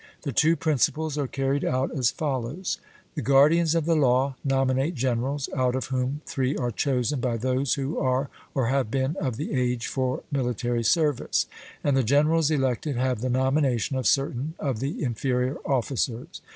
The two principles are carried out as follows: The guardians of the law nominate generals out of whom three are chosen by those who are or have been of the age for military service; and the generals elected have the nomination of certain of the inferior officers.